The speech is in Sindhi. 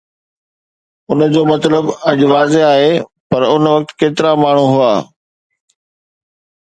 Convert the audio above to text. انهن جو مطلب اڄ واضح آهي، پر ان وقت ڪيترا ماڻهو هئا؟